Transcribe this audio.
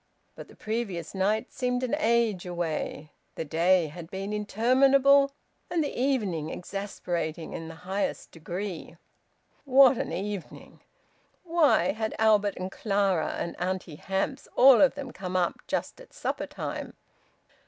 But the previous night seemed an age away. The day had been interminable, and the evening exasperating in the highest degree. What an evening! Why had Albert and Clara and Auntie Hamps all of them come up just at supper time?